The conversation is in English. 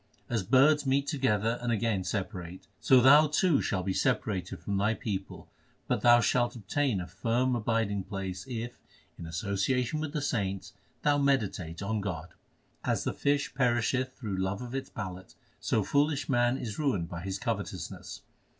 As birds meet together and again separate, so thou too shalt be separated from thy people, but thou shalt obtain a firm abiding place if in association with the saints thou meditate on God. As the fish perisheth through love of its palate, so foolish man is ruined by his covetousness.